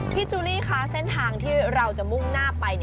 จูลี่คะเส้นทางที่เราจะมุ่งหน้าไป